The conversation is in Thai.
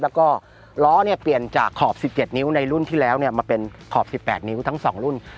แล้วก็ล้อเปลี่ยนจากขอบ๑๗นิ้วในรุ่นที่แล้วมาเป็นขอบ๑๘นิ้วทั้ง๒รุ่น